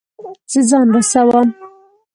زه ځان رسوم